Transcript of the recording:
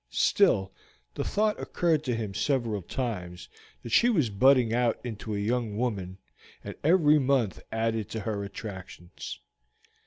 Still, the thought occurred to him several times that she was budding out into a young woman, and every month added to her attractions.